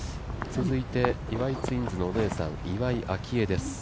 続いて岩井ツインズのお姉さん、岩井明愛です。